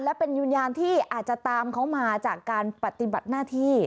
และเป็นวิญญาณที่อาจจะตามเขามาจากการปฏิบัติหน้าที่